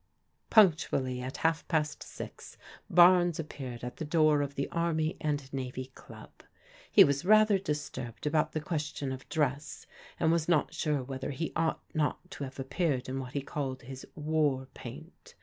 Punctually at half past six, Barnes appeared at the door of the Army and Navy Club. He was rather dis torbed about the question of dress, and was not sure er he ought not to have appeared in what he called ARMY AND NAVY CLUB INTERVIEW 95 his " war paint."